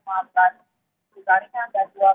memang armada jatuh kemarin